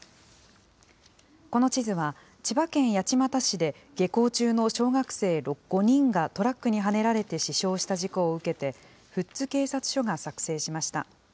この地図は、千葉県八街市で下校中の小学生５人がトラックにはねられて死傷した事故を受けて、富津警察署が作成しました。